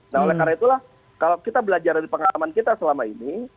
nah oleh karena itulah kalau kita belajar dari pengalaman kita selama ini